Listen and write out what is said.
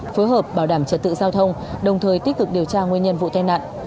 phối hợp bảo đảm trật tự giao thông đồng thời tích cực điều tra nguyên nhân vụ tai nạn